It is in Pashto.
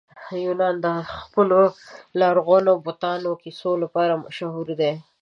یونان د خپلو لرغونو بتانو کیسو لپاره مشهوره دی.